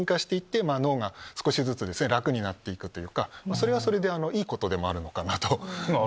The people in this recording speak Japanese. それはそれでいいことでもあるのかなと。